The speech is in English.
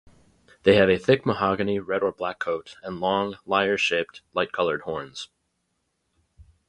They have a thick mahogany red or black coat, and long, lyre-shaped, light-coloured horns.